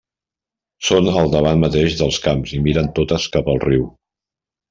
Són al davant mateix dels camps i miren totes cap al riu.